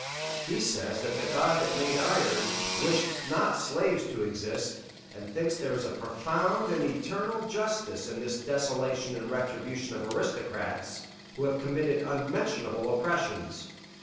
He says that the God that made iron wished not slaves to exist, and thinks there is a profound and eternal justice in this desolation and retribution of aristocrats who have committed unmentionable oppressions.